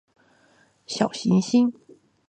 小行星